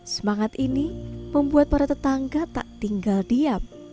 semangat ini membuat para tetangga tak tinggal diam